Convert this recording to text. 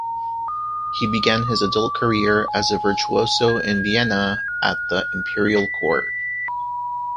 He began his adult career as a virtuoso in Vienna, at the imperial court.